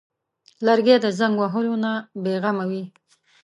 لرګی د زنګ وهلو نه بېغمه وي.